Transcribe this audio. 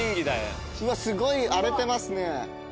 うわすごい荒れてますね。